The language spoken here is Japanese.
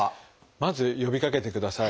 まず呼びかけてください。